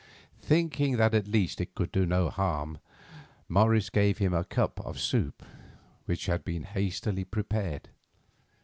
Thinking that at least it could do no harm, Morris gave him a cup of soup, which had been hastily prepared.